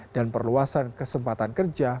dan perluasan kesempatan kerja